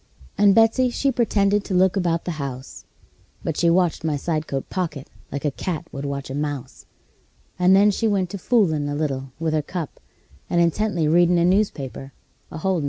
And Betsey, she pretended to look about the house, But she watched my side coat pocket like a cat would watch a mouse: And then she went to foolin' a little with her cup, And intently readin' a newspaper, a holdin' it wrong side up.